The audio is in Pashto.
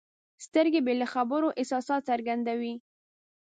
سترګې بې له خبرو احساسات څرګندوي.